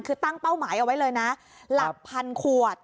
คือตั้งเป้าหมายเอาไว้เลยนะหลักพันขวด